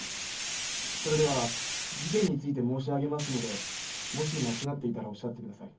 それでは事件について申し上げますのでもし間違っていたらおっしゃってください。